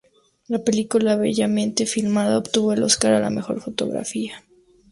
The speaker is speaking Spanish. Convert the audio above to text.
La película, bellamente filmada, obtuvo el Oscar a la mejor fotografía.